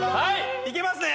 いけますね。